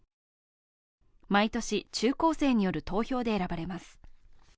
毎年、中高生による投票で選ばれます。